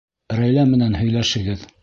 Рәйлә менән һөйләшегеҙ...